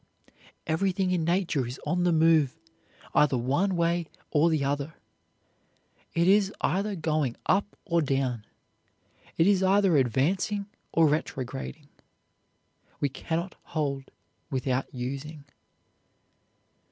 Everything in nature is on the move, either one way or the other. It is either going up or down. It is either advancing or retrograding; we cannot hold without using.